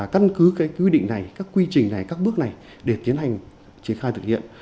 căn cứ quy định này các quy trình này các bước này để tiến hành triển khai thực hiện